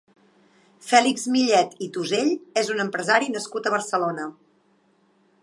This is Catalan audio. Fèlix Millet i Tusell és un empresari nascut a Barcelona.